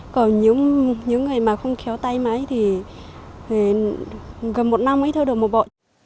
còn những người mà không khéo tay máy thì gần một năm ấy theo được một bộ